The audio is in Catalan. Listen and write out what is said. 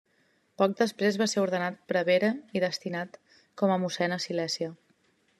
Poc després va ser ordenat prevere i destinat com a mossèn a Silèsia.